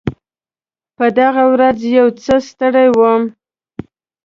په دغه ورځ یو څه ستړی وم.